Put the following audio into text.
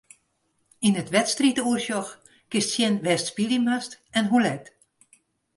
Yn it wedstriidoersjoch kinst sjen wêr'tst spylje moatst en hoe let.